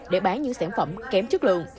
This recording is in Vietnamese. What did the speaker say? để bán những sản phẩm kém chất lượng